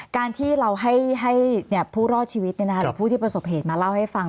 การที่เราให้ผู้รอดชีวิตหรือผู้ที่ประสบเหตุมาเล่าให้ฟัง